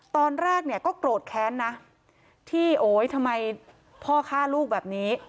ตอนแรกเนี่ยก็โกรธแค้นนะที่โอ๊ยทำไมพ่อฆ่าลูกแบบนี้